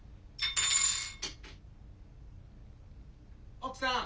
・奥さん